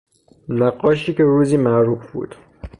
نقاشی که روزی معروف بود